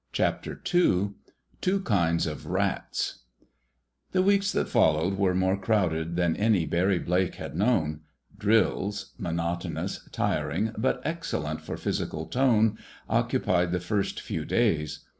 CHAPTER TWO TWO KINDS OF RATS The weeks that followed were more crowded than any Barry Blake had known. Drills, monotonous, tiring, but excellent for physical "tone," occupied the first few days.